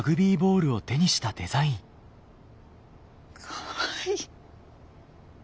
かわいい。